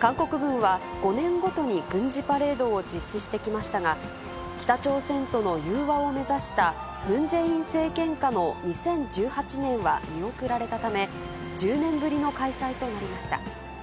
韓国軍は、５年ごとに軍事パレードを実施してきましたが、北朝鮮との融和を目指したムン・ジェイン政権下の２０１８年は見送られたため、１０年ぶりの開催となりました。